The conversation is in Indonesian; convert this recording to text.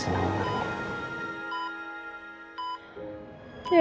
saya senang banget ya